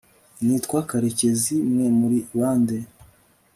Nitwa karekezi Mwe muri bande